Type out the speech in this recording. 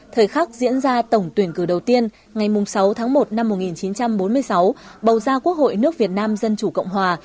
thời khắc diễn ra tổng tuyển cử đầu tiên ngày sáu tháng một năm một nghìn chín trăm bốn mươi sáu bầu ra quốc hội nước việt nam dân chủ cộng hòa